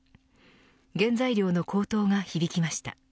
原材料の高騰が響きました。